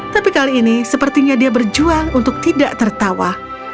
tapi kali ini sepertinya dia berjuang untuk tidak tertawa